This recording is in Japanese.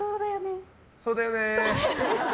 そうだよね。